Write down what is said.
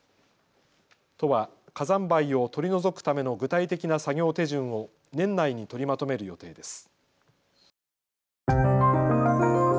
都は火山灰を取り除くための具体的な作業手順を年内に取りまとめる予定です。